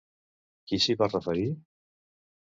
Qui s'hi va referir?